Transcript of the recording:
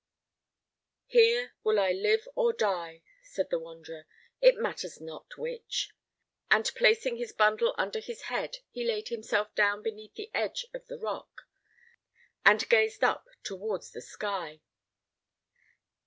"Here will I live or die," said the wanderer; "it matters not which." And placing his bundle under his head, he laid himself down beneath the edge of the rock, and gazed up towards the sky.